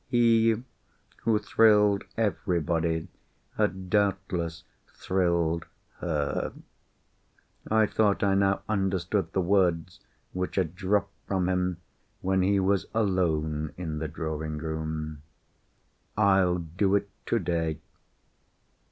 He, who thrilled everybody, had doubtless thrilled her. I thought I now understood the words which had dropped from him when he was alone in the drawing room, "I'll do it today."